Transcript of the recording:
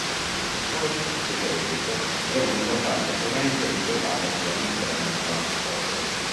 Il folk psichedelico è un'importante corrente sviluppatasi all'interno prog folk.